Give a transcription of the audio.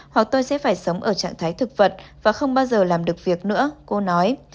hoặc tôi sẽ phải sống ở trạng thái thực vật và không bao giờ làm được việc nữa cô nói